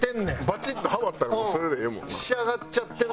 バチッとハマったらもうそれでええもんな。